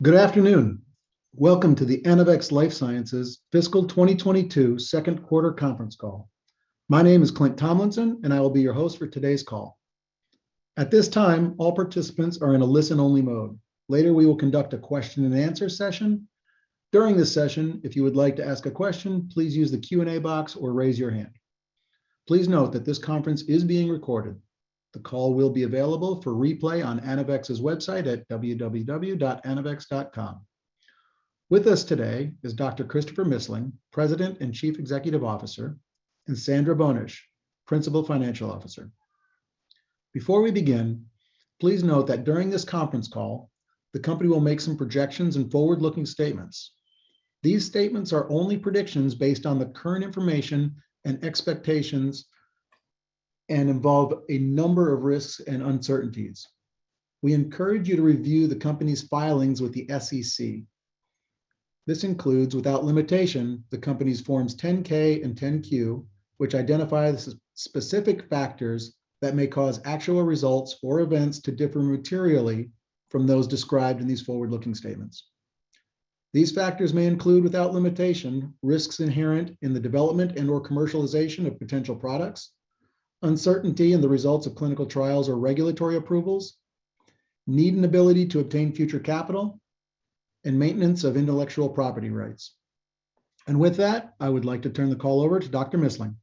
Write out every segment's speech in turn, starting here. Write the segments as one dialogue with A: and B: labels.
A: Good afternoon. Welcome to the Anavex Life Sciences fiscal 2022 second quarter conference call. My name is Clint Tomlinson, and I will be your host for today's call. At this time, all participants are in a listen-only mode. Later, we will conduct a question and answer session. During the session, if you would like to ask a question, please use the Q&A box or raise your hand. Please note that this conference is being recorded. The call will be available for replay on Anavex's website at www.anavex.com. With us today is Dr. Christopher Missling, President and Chief Executive Officer, and Sandra Boenisch, Principal Financial Officer. Before we begin, please note that during this conference call, the company will make some projections and forward-looking statements. These statements are only predictions based on the current information and expectations and involve a number of risks and uncertainties. We encourage you to review the company's filings with the SEC. This includes, without limitation, the company's forms 10-K and 10-Q, which identify the specific factors that may cause actual results or events to differ materially from those described in these forward-looking statements. These factors may include, without limitation, risks inherent in the development and/or commercialization of potential products, uncertainty in the results of clinical trials or regulatory approvals, need and ability to obtain future capital, and maintenance of intellectual property rights. With that, I would like to turn the call over to Dr. Missling.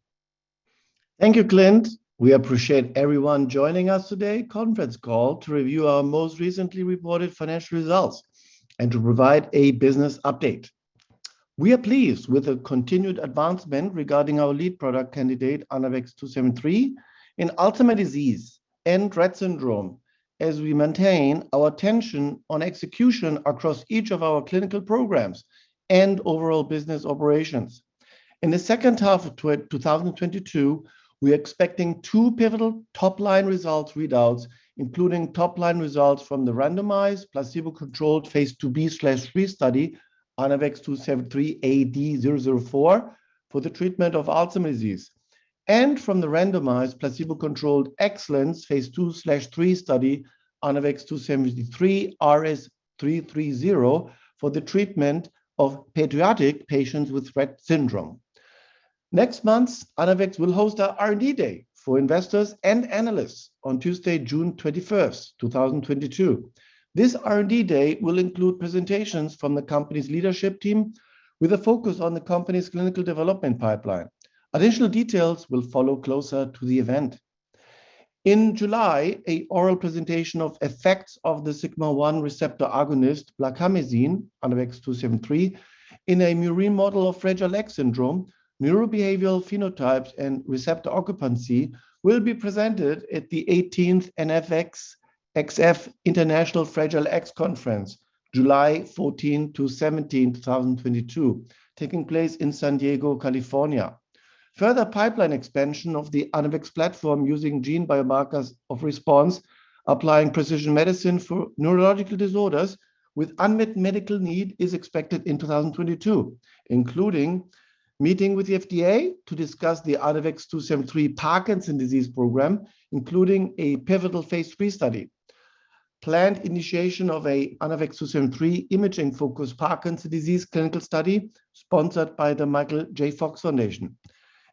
B: Thank you, Clint. We appreciate everyone joining us today conference call to review our most recently reported financial results and to provide a business update. We are pleased with the continued advancement regarding our lead product candidate, ANAVEX 2-73, in Alzheimer's disease and Rett syndrome, as we maintain our attention on execution across each of our clinical programs and overall business operations. In the second half of 2022, we are expecting two pivotal top-line results readouts, including top-line results from the randomized, placebo-controlled phase II-B/III study, ANAVEX 2-73-AD-004, for the treatment of Alzheimer's disease. From the randomized, placebo-controlled EXCELLENCE phase II/III study, ANAVEX 2-73-RS-003, for the treatment of pediatric patients with Rett syndrome. Next month, Anavex will host our R&D Day for investors and analysts on Tuesday, June 21, 2022. This R&D Day will include presentations from the company's leadership team with a focus on the company's clinical development pipeline. Additional details will follow closer to the event. In July, an oral presentation of effects of the sigma-1 receptor agonist, blarcamesine, ANAVEX 2-73, in a murine model of Fragile X syndrome, neurobehavioral phenotypes and receptor occupancy will be presented at the eighteenth NFXF International Fragile X Conference, July 14-17, 2022, taking place in San Diego, California. Further pipeline expansion of the Anavex platform using gene biomarkers of response, applying precision medicine for neurological disorders with unmet medical need is expected in 2022, including meeting with the FDA to discuss the ANAVEX 2-73 Parkinson's disease program, including a pivotal phase III study. Planned initiation of a ANAVEX 2-73 imaging-focused Parkinson's disease clinical study sponsored by the Michael J. Fox Foundation,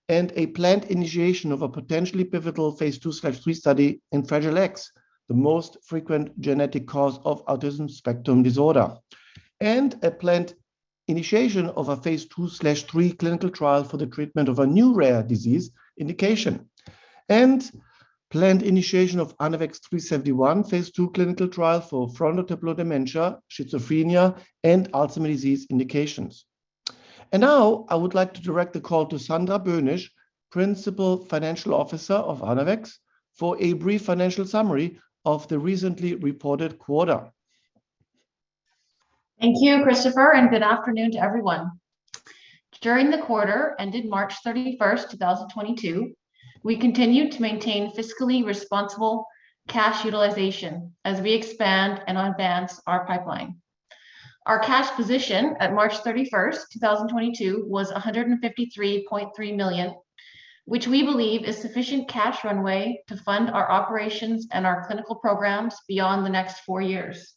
B: and a planned initiation of a potentially pivotal phase II/III study in Fragile X, the most frequent genetic cause of autism spectrum disorder. Planned initiation of a phase II/III clinical trial for the treatment of a new rare disease indication. Planned initiation of ANAVEX 3-71 phase II clinical trial for frontotemporal dementia, schizophrenia, and Alzheimer's disease indications. Now, I would like to direct the call to Sandra Boenisch, Principal Financial Officer of Anavex, for a brief financial summary of the recently reported quarter.
C: Thank you, Christopher, and good afternoon to everyone. During the quarter ended March 31, 2022, we continued to maintain fiscally responsible cash utilization as we expand and advance our pipeline. Our cash position at March 31, 2022 was $153.3 million, which we believe is sufficient cash runway to fund our operations and our clinical programs beyond the next four years.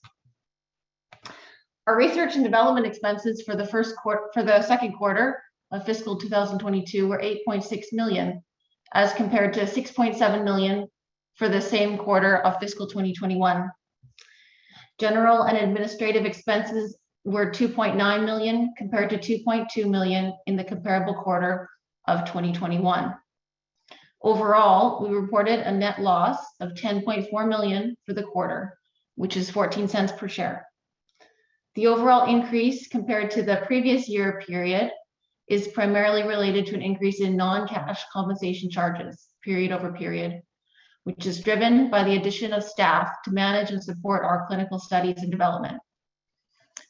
C: Our research and development expenses for the second quarter of fiscal 2022 were $8.6 million, as compared to $6.7 million for the same quarter of fiscal 2021. General and administrative expenses were $2.9 million, compared to $2.2 million in the comparable quarter of 2021. Overall, we reported a net loss of $10.4 million for the quarter, which is $0.14 per share. The overall increase compared to the previous year period is primarily related to an increase in non-cash compensation charges period-over-period, which is driven by the addition of staff to manage and support our clinical studies and development.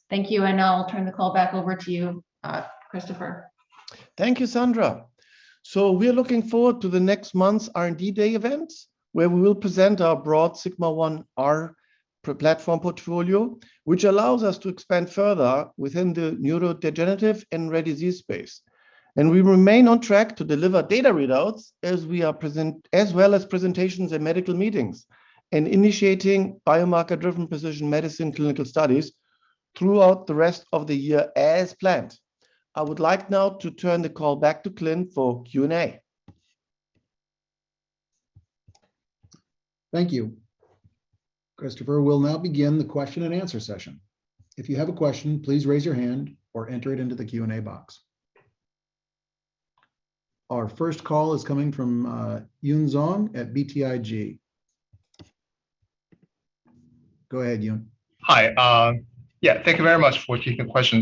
C: Thank you, and I'll turn the call back over to you, Dr. Christopher Missling.
B: Thank you, Sandra. We are looking forward to the next month's R&D Day events, where we will present our broad sigma-1 R platform portfolio, which allows us to expand further within the neurodegenerative and rare disease space. We remain on track to deliver data readouts as well as presentations at medical meetings and initiating biomarker-driven precision medicine clinical studies throughout the rest of the year as planned. I would like now to turn the call back to Clint for Q&A.
A: Thank you, Christopher. We'll now begin the question and answer session. If you have a question, please raise your hand or enter it into the Q&A box. Our first call is coming from Yun Zhong at BTIG. Go ahead, Yun.
D: Hi. Thank you very much for taking the question.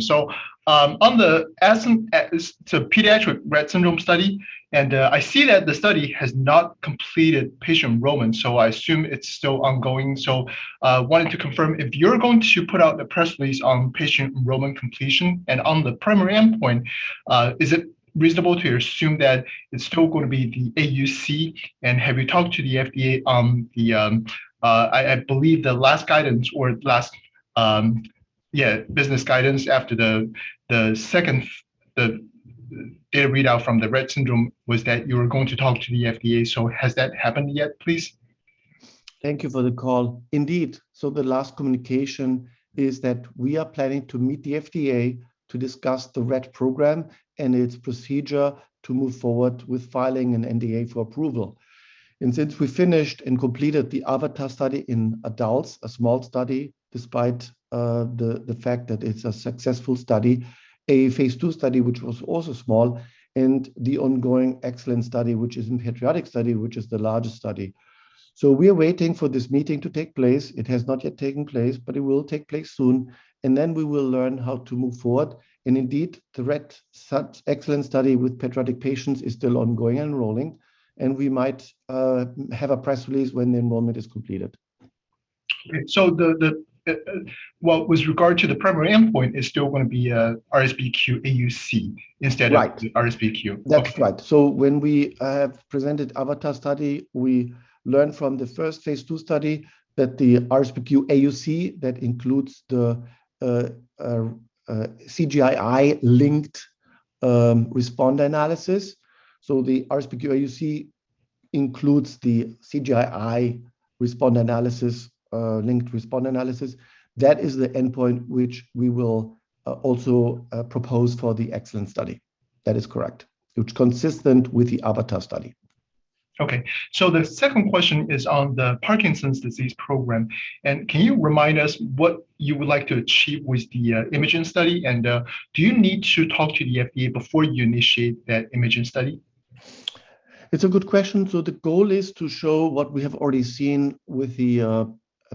D: On the pediatric Rett syndrome study, I see that the study has not completed patient enrollment, so I assume it's still ongoing. I wanted to confirm if you're going to put out a press release on patient enrollment completion. On the primary endpoint, is it reasonable to assume that it's still gonna be the AUC? Have you talked to the FDA? I believe the last guidance or last business guidance after the second data readout from the Rett syndrome was that you were going to talk to the FDA. Has that happened yet, please?
B: Thank you for the call. Indeed. The last communication is that we are planning to meet the FDA to discuss the Rett program and its procedure to move forward with filing an NDA for approval. Since we finished and completed the AVATAR study in adults, a small study, despite the fact that it's a successful study, a phase II study which was also small, and the ongoing EXCELLENCE study, which is in pediatric study, which is the largest study. We are waiting for this meeting to take place. It has not yet taken place, but it will take place soon, and then we will learn how to move forward. Indeed, the Rett EXCELLENCE study with pediatric patients is still ongoing enrolling, and we might have a press release when the enrollment is completed.
D: Well, with regard to the primary endpoint is still gonna be RSBQ AUC instead of...
B: Right.
D: ....RSBQ.
B: That's right. When we presented AVATAR study, we learned from the first phase II study that the RSBQ AUC that includes the CGI-I-linked responder analysis. The RSBQ AUC includes the CGI-I-linked responder analysis. That is the endpoint which we will also propose for the EXCELLENCE study. That is correct. It's consistent with the AVATAR study.
D: Okay. The second question is on the Parkinson's disease program. Can you remind us what you would like to achieve with the imaging study? Do you need to talk to the FDA before you initiate that imaging study?
B: It's a good question. The goal is to show what we have already seen with the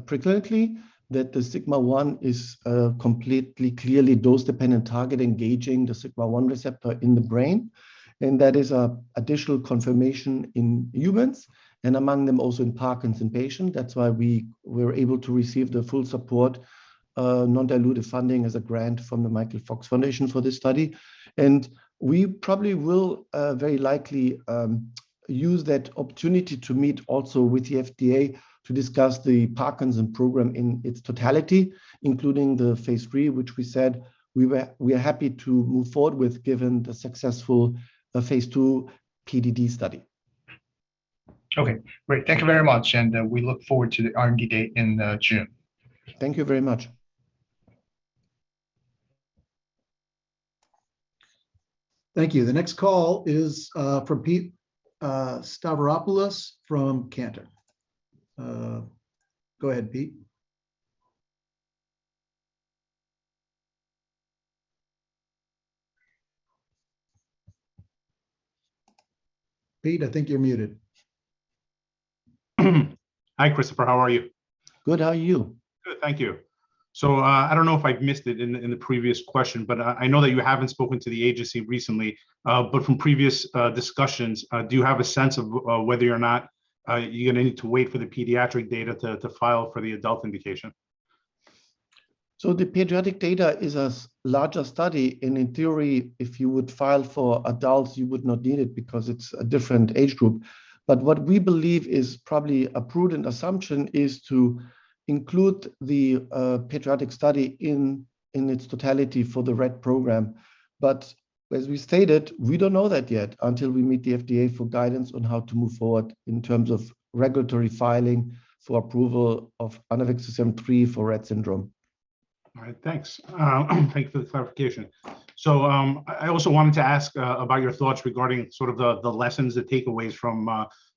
B: anecdotally, that the sigma-1 is a completely clearly dose-dependent target engaging the sigma-1 receptor in the brain, and that is an additional confirmation in humans, and among them also in Parkinson's patient. That's why we were able to receive the full support, non-dilutive funding as a grant from the Michael J. Fox Foundation for this study. We probably will very likely use that opportunity to meet also with the FDA to discuss the Parkinson's program in its totality, including the phase three, which we said we are happy to move forward with given the successful phase II PDD study.
D: Okay. Great. Thank you very much, and we look forward to the R&D Day in June.
B: Thank you very much.
A: Thank you. The next call is from Pete Stavropoulos from Cantor. Go ahead, Pete. Pete, I think you're muted.
E: Hi, Christopher. How are you?
B: Good. How are you?
E: Good. Thank you. I don't know if I've missed it in the previous question, but I know that you haven't spoken to the agency recently. But from previous discussions, do you have a sense of whether or not you're gonna need to wait for the pediatric data to file for the adult indication?
B: The pediatric data is a larger study, and in theory, if you would file for adults you would not need it because it's a different age group. What we believe is probably a prudent assumption is to include the pediatric study in its totality for the Rett program. As we stated, we don't know that yet until we meet the FDA for guidance on how to move forward in terms of regulatory filing for approval of ANAVEX 2-73 for Rett syndrome.
E: All right. Thanks. Thank you for the clarification. I also wanted to ask about your thoughts regarding sort of the lessons, the takeaways from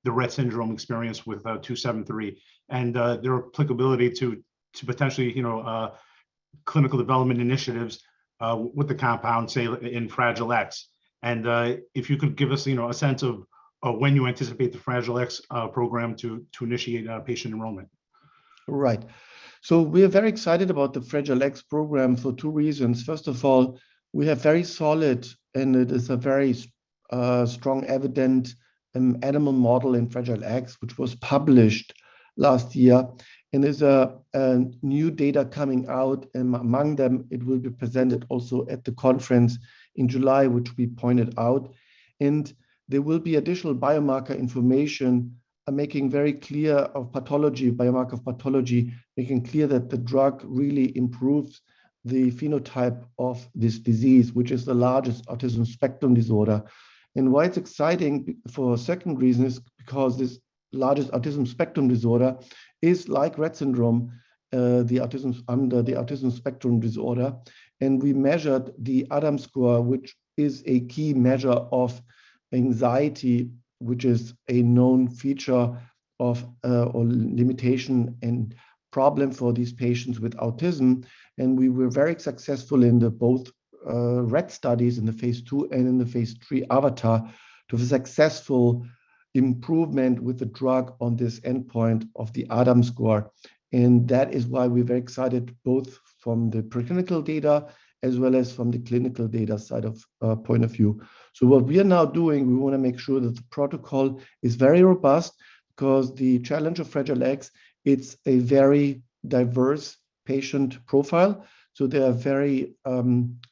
E: the Rett syndrome experience with 2-73 and their applicability to potentially, you know, clinical development initiatives with the compound, say, in Fragile X. If you could give us, you know, a sense of when you anticipate the Fragile X program to initiate patient enrollment.
B: Right. We are very excited about the Fragile X program for two reasons. First of all, we have very solid, and it is a very strong evidence animal model in Fragile X, which was published last year. There's new data coming out, and among them it will be presented also at the conference in July, which we pointed out. There will be additional biomarker information, making very clear of pathology, biomarker pathology, making clear that the drug really improves the phenotype of this disease, which is the largest autism spectrum disorder. Why it's exciting for a second reason is because this largest autism spectrum disorder is like Rett syndrome, the autism under the autism spectrum disorder and we measured the ADAMS score, which is a key measure of anxiety, which is a known feature of or limitation and problem for these patients with autism. We were very successful in both Rett studies in the phase II and in the phase III AVATAR to the successful improvement with the drug on this endpoint of the ADAMS score. That is why we're very excited, both from the preclinical data as well as from the clinical data side of point of view. What we are now doing, we want to make sure that the protocol is very robust, because the challenge of Fragile X, it's a very diverse patient profile. There are very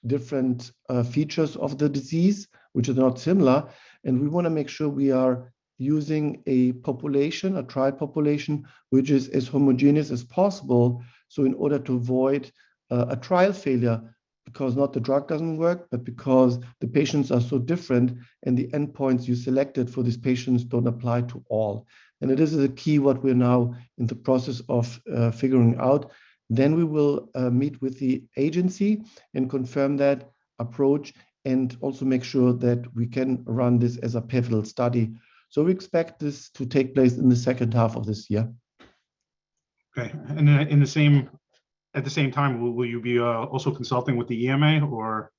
B: different features of the disease which are not similar. We want to make sure we are using a population, a trial population, which is as homogeneous as possible so in order to avoid a trial failure, because not the drug doesn't work, but because the patients are so different and the endpoints you selected for these patients don't apply to all. It is a key what we are now in the process of figuring out. We will meet with the agency and confirm that approach and also make sure that we can run this as a pivotal study. We expect this to take place in the second half of this year.
E: At the same time, will you be also consulting with the EMA or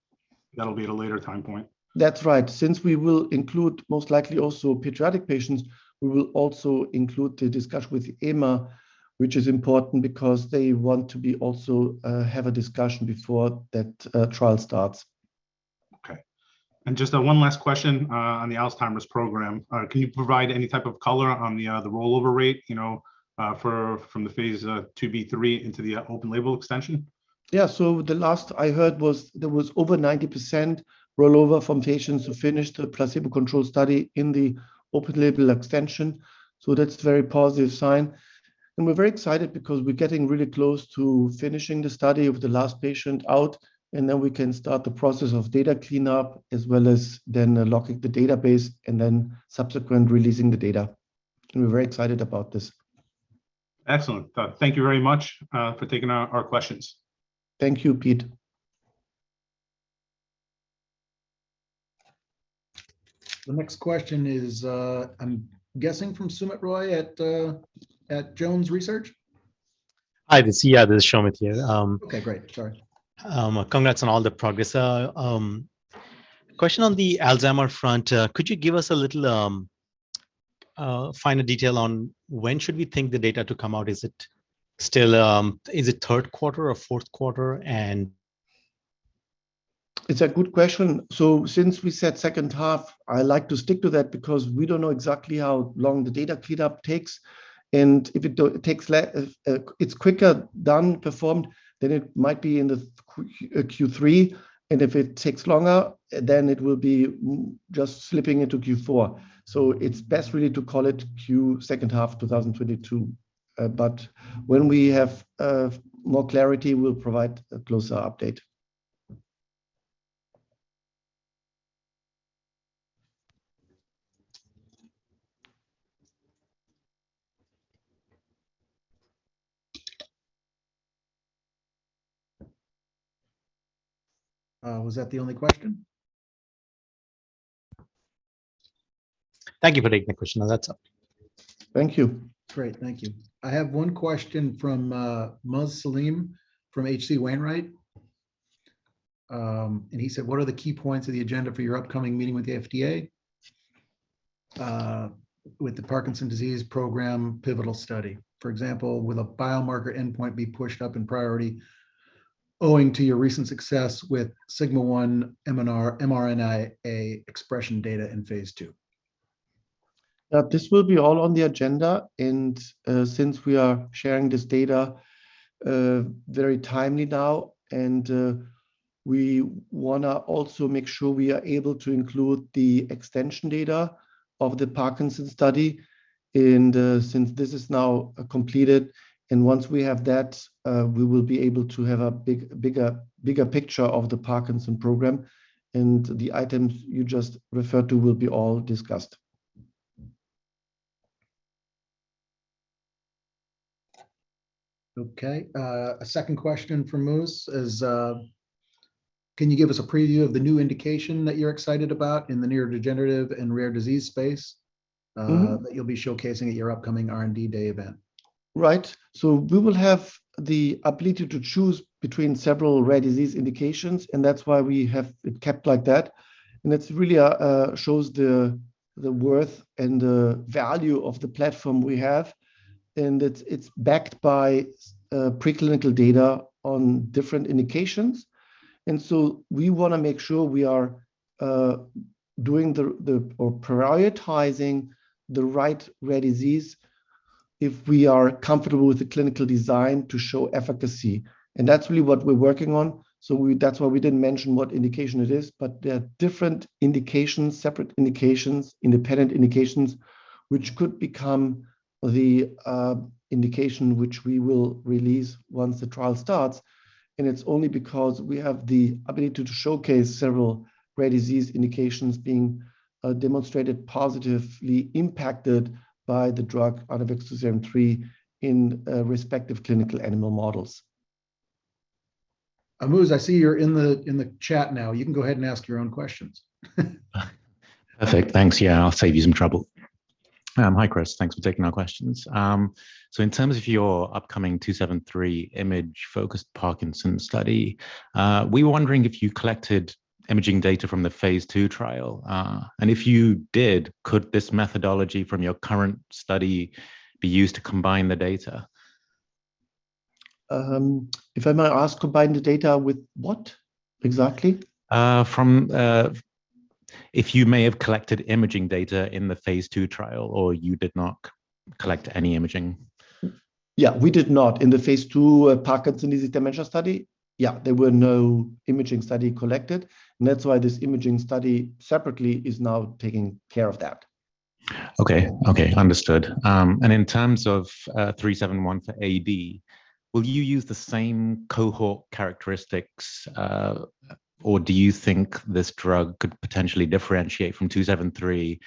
E: that'll be at a later time point?
B: That's right. Since we will include most likely also pediatric patients, we will also include the discussion with EMA, which is important because they want to be also, have a discussion before that trial starts.
E: Okay. Just one last question on the Alzheimer's program. Can you provide any type of color on the rollover rate, you know, from the phase II-B/III into the open-label extension?
B: Yeah. The last I heard was there was over 90% rollover from patients who finished the placebo-controlled study in the open-label extension, so that's a very positive sign. We're very excited because we're getting really close to finishing the study of the last patient out, and then we can start the process of data cleanup as well as then locking the database and then subsequent releasing the data. We're very excited about this.
E: Excellent. Thank you very much for taking our questions.
B: Thank you, Pete.
A: The next question is, I'm guessing from Soumit Roy at Jones Trading.
F: Hi, this is Soumit Roy here.
A: Okay, great. Sorry.
F: Congrats on all the progress. Question on the Alzheimer's front. Could you give us a little finer detail on when should we think the data to come out? Is it still third quarter or fourth quarter?
B: It's a good question. Since we said second half, I like to stick to that because we don't know exactly how long the data cleanup takes, and it's quicker done, performed, then it might be in Q3, and if it takes longer, then it will be just slipping into Q4. It's best really to call it second half 2022. When we have more clarity, we'll provide a closer update.
A: Was that the only question?
F: Thank you for taking the question. That's all.
B: Thank you.
A: Great. Thank you. I have one question from Muz Saleem from H.C. Wainwright. He said, "What are the key points of the agenda for your upcoming meeting with the FDA with the Parkinson's disease program pivotal study? For example, will a biomarker endpoint be pushed up in priority owing to your recent success with sigma-1 mRNA expression data in phase II?
B: This will be all on the agenda, and since we are sharing this data very timely now, and we wanna also make sure we are able to include the extension data of the Parkinson's study. Since this is now completed, and once we have that, we will be able to have a bigger picture of the Parkinson program, and the items you just referred to will be all discussed.
A: Okay. A second question from Muz is, can you give us a preview of the new indication that you're excited about in the neurodegenerative and rare disease space...
B: Mm-hmm
A: ...that you'll be showcasing at your upcoming R&D Day event?
B: Right. We will have the ability to choose between several rare disease indications, and that's why we have it kept like that. It really shows the worth and the value of the platform we have, and it's backed by preclinical data on different indications. We wanna make sure we are doing or prioritizing the right rare disease if we are comfortable with the clinical design to show efficacy. That's really what we're working on. That's why we didn't mention what indication it is, but there are different indications, separate indications, independent indications which could become the indication which we will release once the trial starts, and it's only because we have the ability to showcase several rare disease indications being demonstrated positively impacted by the drug ANAVEX 2-73 in respective clinical animal models.
A: Muz, I see you're in the chat now. You can go ahead and ask your own questions.
G: Perfect. Thanks. Yeah, I'll save you some trouble. Hi Christopher, thanks for taking our questions. In terms of your upcoming ANAVEX 2-73 imaging-focused Parkinson's study, we were wondering if you collected imaging data from the phase II trial, and if you did, could this methodology from your current study be used to combine the data?
B: If I might ask, combine the data with what exactly?
G: If you may have collected imaging data in the phase II trial, or you did not collect any imaging.
B: Yeah, we did not. In the phase II, Parkinson's disease dementia study, there were no imaging study collected, and that's why this imaging study separately is now taking care of that.
G: Okay. Understood. In terms of ANAVEX 3-71 for AD, will you use the same cohort characteristics, or do you think this drug could potentially differentiate from ANAVEX 2-73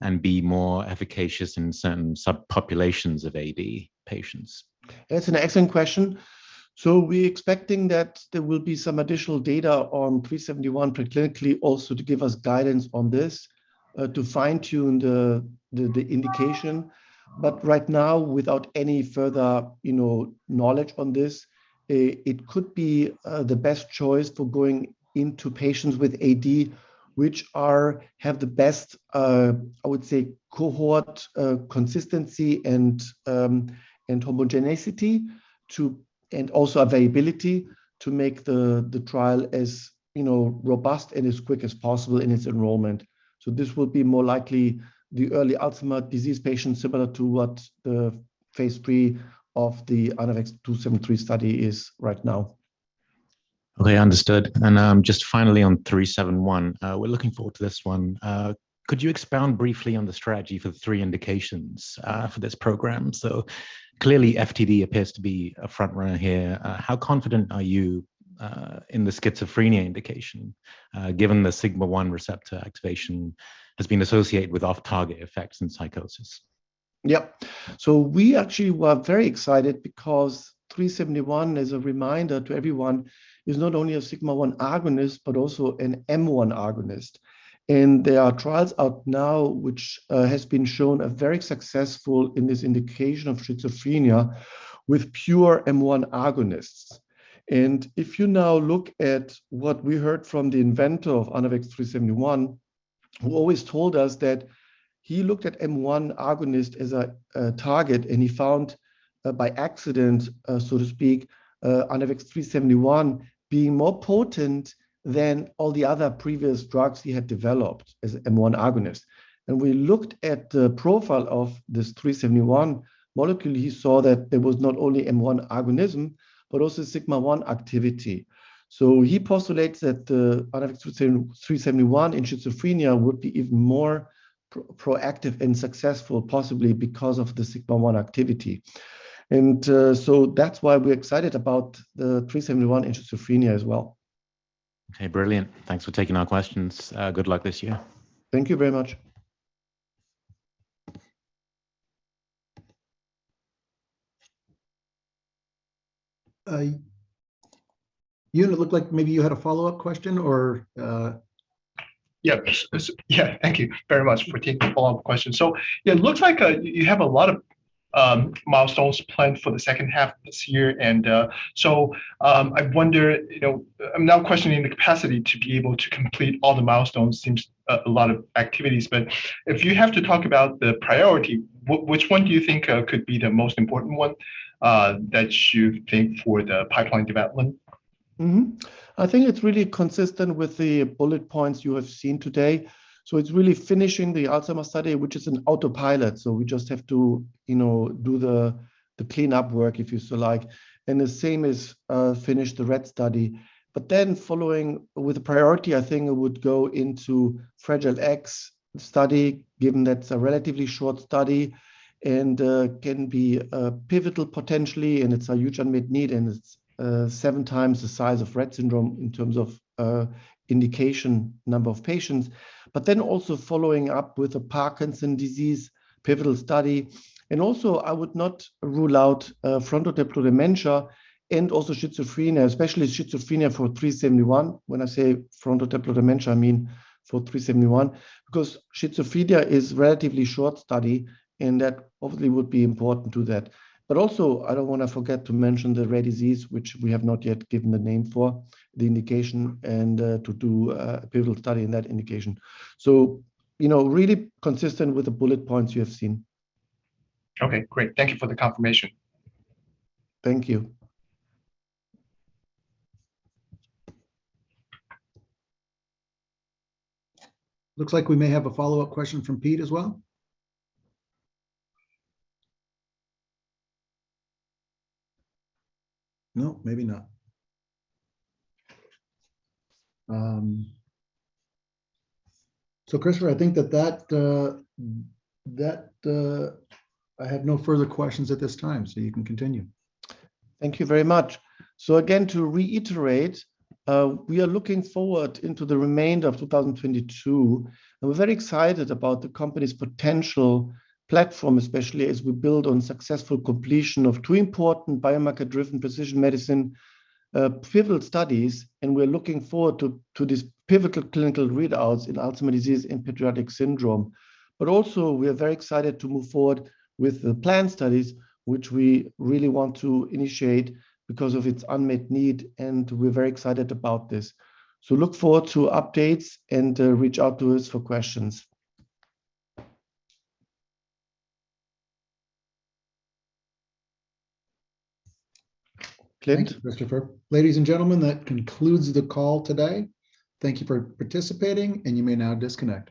G: and be more efficacious in certain subpopulations of AD patients?
B: That's an excellent question. We're expecting that there will be some additional data on ANAVEX 3-71 preclinically also to give us guidance on this, to fine-tune the indication. Right now, without any further, you know, knowledge on this, it could be the best choice for going into patients with AD which have the best, I would say, cohort consistency and homogeneity to, and also availability to make the trial as, you know, robust and as quick as possible in its enrollment. This will be more likely the early Alzheimer's disease patients similar to what the phase III of the ANAVEX 2-73 study is right now.
G: Okay. Understood. Just finally on ANAVEX 3-71, we're looking forward to this one. Could you expound briefly on the strategy for the three indications for this program? Clearly FTD appears to be a front-runner here. How confident are you in the schizophrenia indication, given the sigma-1 receptor activation has been associated with off-target effects and psychosis?
B: Yep. We actually were very excited because ANAVEX 3-71, as a reminder to everyone, is not only a sigma-1 agonist but also an M1 agonist. There are trials out now which has been shown to be very successful in this indication of schizophrenia with pure M1 agonists. If you now look at what we heard from the inventor of ANAVEX 3-71, who always told us that he looked at M1 agonist as a target, and he found by accident, so to speak, ANAVEX 3-71 being more potent than all the other previous drugs he had developed as M1 agonist. We looked at the profile of this ANAVEX 3-71 molecule, he saw that there was not only M1 agonism, but also sigma-1 activity. He postulates that ANAVEX 3-71 in schizophrenia would be even more proactive and successful, possibly because of the sigma-1 activity. That's why we're excited about the ANAVEX 3-71 in schizophrenia as well.
G: Okay. Brilliant. Thanks for taking our questions. Good luck this year.
B: Thank you very much.
A: Yun, it looked like maybe you had a follow-up question.
D: Yeah. Thank you very much for taking the follow-up question. Yeah, it looks like you have a lot of milestones planned for the second half of this year. I wonder, you know, I'm now questioning the capacity to be able to complete all the milestones. Seems a lot of activities. If you have to talk about the priority, which one do you think could be the most important one that you think for the pipeline development?
B: I think it's really consistent with the bullet points you have seen today. It's really finishing the Alzheimer's study, which is in autopilot, so we just have to, you know, do the clean-up work, if you so like, and the same as finish the Rett study. Following with the priority, I think it would go into Fragile X study, given that's a relatively short study and can be pivotal potentially, and it's a huge unmet need, and it's seven times the size of Rett syndrome in terms of indication number of patients. Also following up with the Parkinson's disease pivotal study. Also, I would not rule out frontotemporal dementia and also schizophrenia, especially schizophrenia for ANAVEX 3-71. When I say frontotemporal dementia, I mean for ANAVEX 3-71, because schizophrenia is relatively short study, and that obviously would be important to that. Also, I don't want to forget to mention the rare disease which we have not yet given a name for the indication and to do a pivotal study in that indication. You know, really consistent with the bullet points you have seen.
D: Okay. Great. Thank you for the confirmation.
B: Thank you.
A: Looks like we may have a follow-up question from Pete as well. No, maybe not. Christopher, I think that I have no further questions at this time, so you can continue.
B: Thank you very much. Again, to reiterate, we are looking forward into the remainder of 2022, and we're very excited about the company's potential platform, especially as we build on successful completion of two important biomarker-driven precision medicine pivotal studies, and we're looking forward to these pivotal clinical readouts in Alzheimer's disease and Rett syndrome. We are very excited to move forward with the planned studies, which we really want to initiate because of its unmet need, and we're very excited about this. Look forward to updates and reach out to us for questions. Clint?
A: Thank you, Christopher. Ladies and gentlemen, that concludes the call today. Thank you for participating, and you may now disconnect.